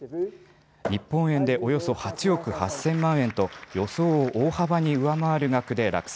日本円でおよそ８億８０００万円と予想を大幅に上回る額で落札。